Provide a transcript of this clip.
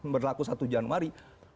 berlaku satu januari